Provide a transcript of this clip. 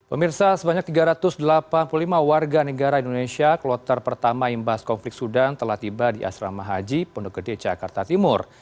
pemirsa sebanyak tiga ratus delapan puluh lima warga negara indonesia kloter pertama imbas konflik sudan telah tiba di asrama haji pondok gede jakarta timur